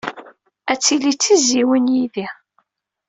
Ad tili d tizzyiwin yid-i.